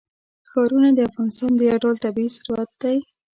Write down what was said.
ښارونه د افغانستان یو ډول طبعي ثروت دی.